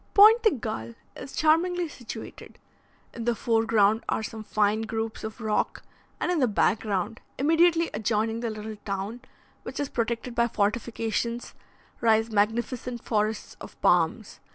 Pointe de Galle is charmingly situated: in the fore ground are some fine groups of rock, and in the back ground, immediately adjoining the little town, which is protected by fortifications, rise magnificent forests of palms.